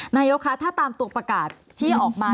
นายกคะถ้าตามตัวประกาศที่ออกมา